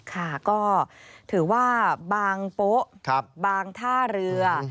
ค่ะก็ถือว่าบางโป๊ะบางท่าเรือ